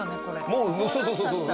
もうそうそうそうそう。